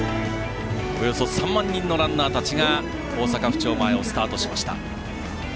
およそ３万人のランナーたちが大阪府庁前をスタートしました。